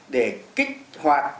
để kích hoạt